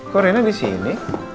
kok reina di sini